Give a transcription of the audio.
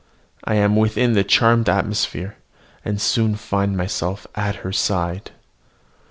I am within the charmed atmosphere, and soon find myself at her side.